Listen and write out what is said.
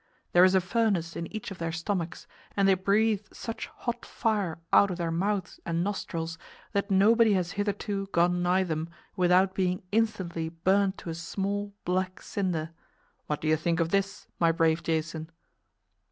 There is a furnace in each of their stomachs, and they breathe such hot fire out of their mouths and nostrils that nobody has hitherto gone nigh them without being instantly burned to a small, black cinder. What do you think of this, my brave Jason?"